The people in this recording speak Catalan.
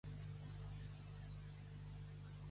Què comunica Alcínous a Odisseu?